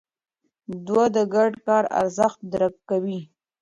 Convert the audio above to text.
دوی د ګډ کار ارزښت درک کوي.